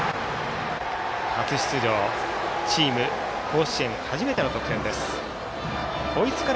初出場、チーム甲子園初めての得点です。